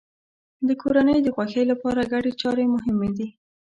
د کورنۍ د خوښۍ لپاره ګډې چارې مهمې دي.